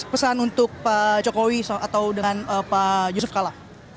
pesan untuk pak jokowi atau dengan pak yusuf kala